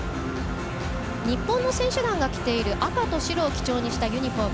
日本の選手団が着ている赤と白を基調にしているユニフォーム